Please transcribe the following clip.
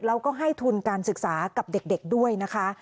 แล้วก็ให้ทุนการศึกษากับเด็กด้วยนะคะ